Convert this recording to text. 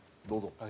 どうぞ。